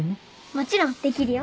もちろんできるよ。